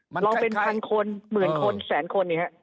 เราเป็นพันคนหมื่นคนแสนคน